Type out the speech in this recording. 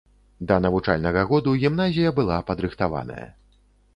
Да навучальнага году гімназія была падрыхтаваная.